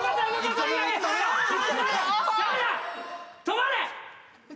止まれ！